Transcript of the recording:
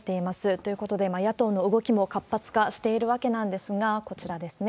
ということで、野党の動きも活発化しているわけなんですが、こちらですね。